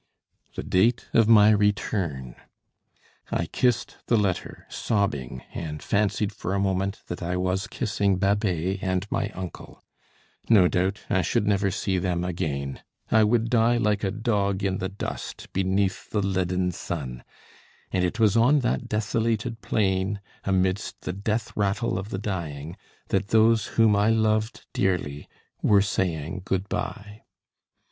The date of my return! I kissed the letter, sobbing, and fancied for a moment that I was kissing Babet and my uncle. No doubt I should never see them again. I would die like a dog in the dust, beneath the leaden sun. And it was on that desolated plain, amidst the death rattle of the dying, that those whom I loved dearly were saying good bye.